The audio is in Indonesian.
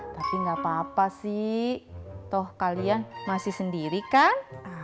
tapi gak apa apa sih toh kalian masih sendiri kan